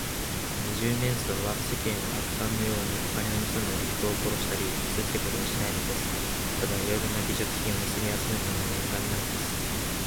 二十面相は、世間の悪漢のように、お金をぬすんだり、人を殺したり、傷つけたりはしないのです。ただいろいろな美術品をぬすみあつめるのが念願なのです。